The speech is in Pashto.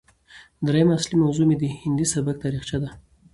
درييمه اصلي موضوع مې د هندي سبک تاريخچه ده